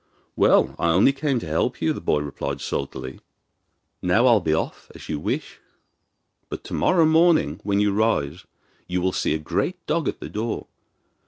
'Well I only came to help you,' replied the boy sulkily. 'Now I'll be off, as you wish; but to morrow morning when you rise you will see a great dog at the door.